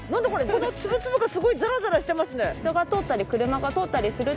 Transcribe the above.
この粒々がすごいザラザラしてますね。